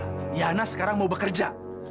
riana sekarang mau bekerja